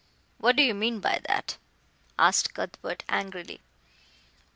"What do you mean by that?" asked Cuthbert angrily.